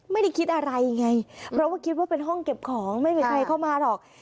ไม่ได้คิดอะไรไงเพราะว่าคิดว่าเป็นห้องเก็บของไม่มีใครเข้ามาหรอก